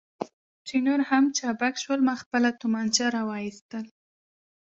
چې نور هم چابک شول، ما خپله تومانچه را وایستل.